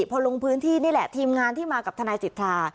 พอลงพื้นที่นี่แหละทีมงานที่มากับทนายสิทธา